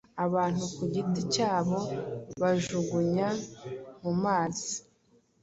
abantu ku giti cyabo bajugunya mumazi.